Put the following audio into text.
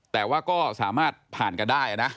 แต่ว่าก็สามารถผ่านกันได้นะ